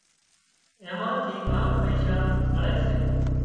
اين مان ٿي ڪانڪ پئيشا مۯي سي